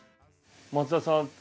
松田さん